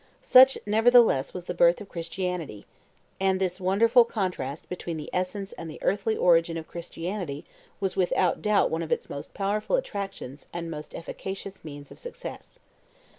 Such, nevertheless, was the birth of Christianity; and this wonderful contrast between the essence and the earthly origin of Christianity was without doubt one of its most powerful attractions and most efficacious means of success.